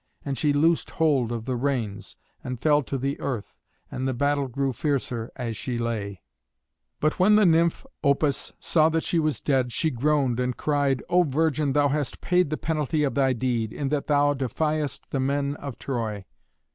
And she loosed hold of the reins, and fell to the earth; and the battle grew fiercer as she lay. [Illustration: THE DEATH OF CAMILLA.] But when the nymph Opis saw that she was dead, she groaned, and cried, "O Virgin, thou hast paid the penalty of thy deed, in that thou defiedst the men of Troy.